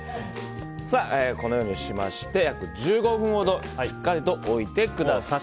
このようにしまして約１５分ほどしっかりと置いてください。